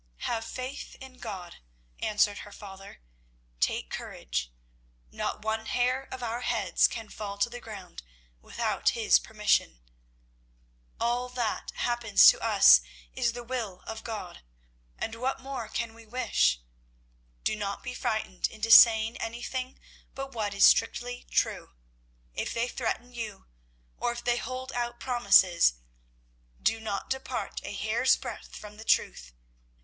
"Have faith in God," answered her father. "Take courage. Not one hair of our heads can fall to the ground without His permission. All that happens to us is the will of God, and what more can we wish? Do not be frightened into saying anything but what is strictly true. If they threaten you, or if they hold out promises, do not depart a hair's breadth from the truth.